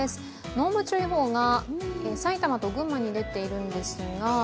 濃霧注意報が埼玉と群馬に出ています。